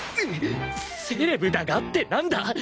「セレブだが？」ってなんだ！？